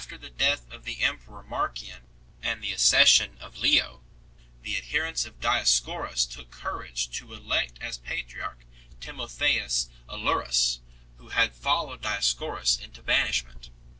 the death of the emperor Marcian and the accession of Leo, the adherents of Dioscorus took courage to elect as patriarch Timotheus Aelurus *, who had followed Dioscorus into banishment.